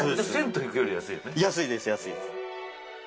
安いです安いです